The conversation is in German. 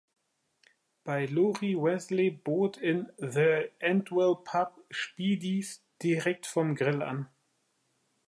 Bei Lori Vesely bot in The Endwell Pub Spiedies direkt vom Grill an.